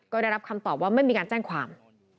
ก็ได้รับคำตอบว่าไม่มีการแจ้งความ